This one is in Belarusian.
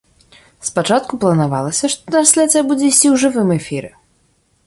Спачатку планавалася, што трансляцыя будзе ісці ў жывым эфіры.